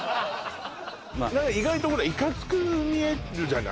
意外とほらいかつく見えるじゃない？